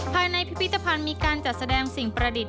ภายในพิพิธภัณฑ์มีการจัดแสดงสิ่งประดิษฐ